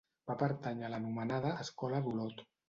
Va pertànyer a l'anomenada Escola d'Olot.